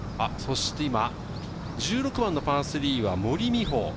そして１６番のパー３は森美穂。